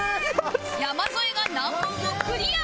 山添が難問をクリア！